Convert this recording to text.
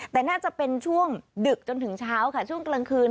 แต่น่าจะเป็นช่วงดึกจนถึงเช้าค่ะช่วงกลางคืน